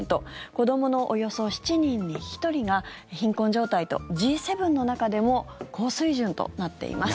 子どものおよそ７人に１人が貧困状態とＧ７の中でも高水準となっています。